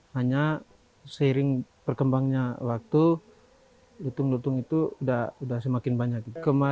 hanya seiring berkembangnya waktu lutung lutung itu sudah semakin banyak